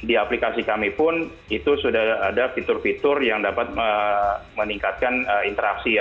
di aplikasi kami pun itu sudah ada fitur fitur yang dapat meningkatkan interaksi ya